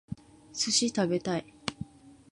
寿司食べたい